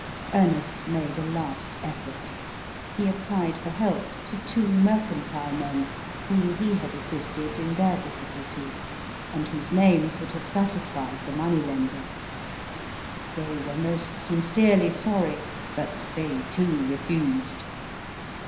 Ernest made a last effort. He applied for help to two mercantile men whom he had assisted in their difficulties, and whose names would have satisfied the money lender. They were most sincerely sorry, but they too refused.